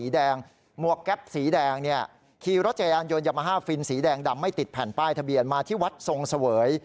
แดงดำไว้ติดแผ่นป้ายทะเบียนมาที่วัดทรงเสวย